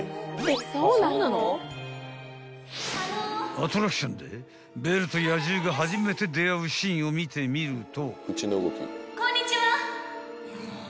［アトラクションでベルと野獣が初めて出会うシーンを見てみると］